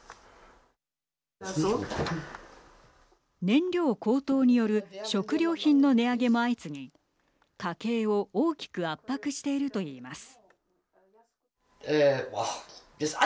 燃料高騰による食料品の値上げも相次ぎ家計を大きく圧迫しているといいます。